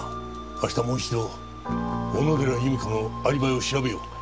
明日もう一度小野寺由美子のアリバイを調べよう。